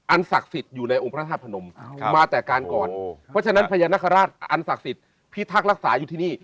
ศักดิ์สิทธิ์อยู่ในองค์พระธาตุพนมมาแต่การก่อนเพราะฉะนั้นพญานาคาราชอันศักดิ์สิทธิ์พิทักษ์รักษาอยู่ที่นี่